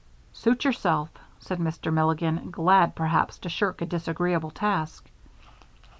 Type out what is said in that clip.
"Suit yourself," said Mr. Milligan, glad perhaps to shirk a disagreeable task.